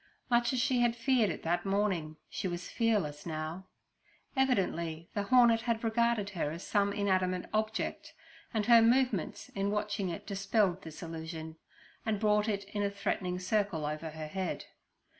Much as she had feared it that morning, she was fearless now. Evidently the hornet had regarded her as some inanimate object, and her movements in watching it dispelled this illusion, and brought it in a threatening circle over her head.